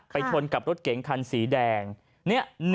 ไปทนกับรถเก๋งคันสีแดงเนี่ย๑๘๒๑